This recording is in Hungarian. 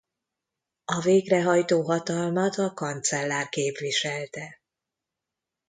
A végrehajtó hatalmat a kancellár képviselte.